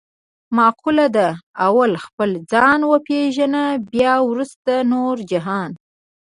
مقوله ده: اول خپل ځان و پېژنه بیا ورسته نور جهان.